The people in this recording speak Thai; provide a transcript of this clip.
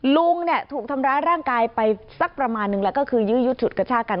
ลุงถูกทำร้ายร่างกายไปสักประมาณนึงแล้วก็คือยืดถูกกับชาติกัน